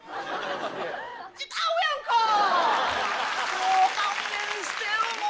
もう勘弁してよもう！